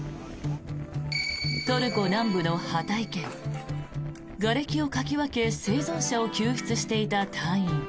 トルコ南部のハタイ県がれきをかき分け生存者を救出していた隊員。